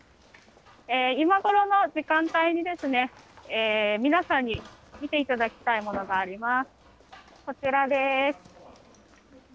今ごろの時間帯に、皆さんに見ていただきたいものがあります。